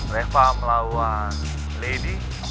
reva melawan lady